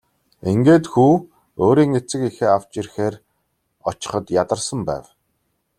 Ингээд хүү өөрийн эцэг эхээ авч ирэхээр очиход ядарсан байв.